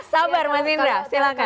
sabar mas indra silahkan